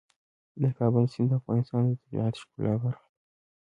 د کابل سیند د افغانستان د طبیعت د ښکلا برخه ده.